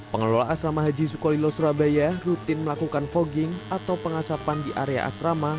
pengelola asrama haji sukolilo surabaya rutin melakukan fogging atau pengasapan di area asrama